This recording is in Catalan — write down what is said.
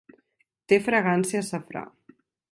Té fragància a safrà.